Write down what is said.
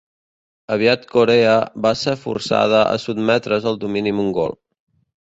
Aviat Corea va ser forçada a sotmetre's al domini mongol.